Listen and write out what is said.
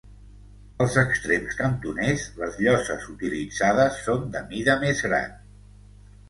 Als extrems cantoners, les lloses utilitzades són de mida més gran.